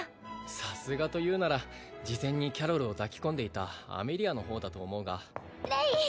さすがというなら事前にキャロルを抱き込んでいたアメリアの方だと思うがレイ！